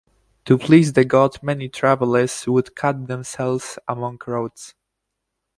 To please the god many travelers would cut themselves among roads.